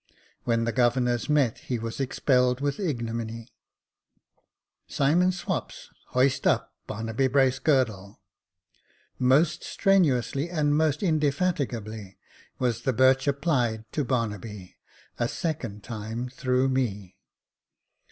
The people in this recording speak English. "When the Governors met he was expelled with ignominy. " Simon Swapps, hoist up Barnaby Bracegirdle." Most strenuously and most indefatigably was the birch applied to Barnaby, a second time, through me.